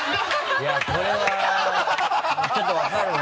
いやこれはちょっと分かるね。